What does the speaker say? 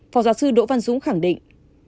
phó giáo sư đỗ văn dũng khẳng định